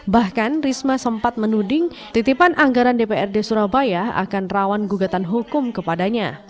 bahkan risma sempat menuding titipan anggaran dprd surabaya akan rawan gugatan hukum kepadanya